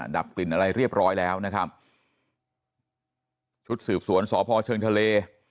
ดับกลิ่นอะไรเรียบร้อยแล้วนะครับชุดสืบสวนสพเชิงทะเล